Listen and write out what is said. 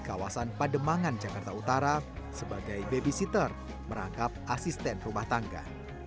kawasan pademangan jakarta utara sebagai babysitter merangkap asisten rumah tangga